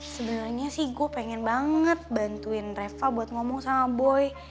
sebenarnya sih gue pengen banget bantuin reva buat ngomong sama boy